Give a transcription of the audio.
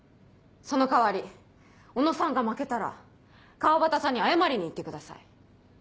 その代わり小野さんが負けたら川端さんに謝りに行ってください。